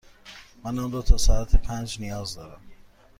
من آن را تا ساعت پنج نیاز دارم.